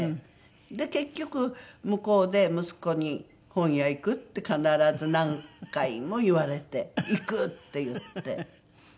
結局向こうで息子に「本屋行く？」って必ず何回も言われて「行く」って言って。